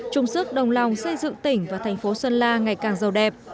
trung sức đồng lòng xây dựng tỉnh và thành phố sơn la ngày càng giàu đẹp